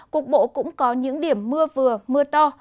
cục bộ cũng có những điểm mưa vừa mưa to